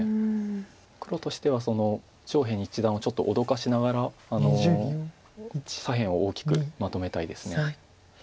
黒としては上辺一団をちょっと脅かしながら左辺を大きくまとめたいです。